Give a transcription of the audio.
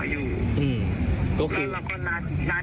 แล้วเราก็นัดกันว่าจะให้สัมภาษณ์ที่ไหน